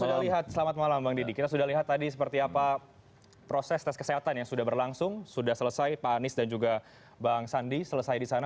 sudah lihat selamat malam bang didi kita sudah lihat tadi seperti apa proses tes kesehatan yang sudah berlangsung sudah selesai pak anies dan juga bang sandi selesai di sana